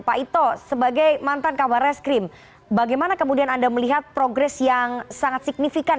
pak ito sebagai mantan kabar reskrim bagaimana kemudian anda melihat progres yang sangat signifikan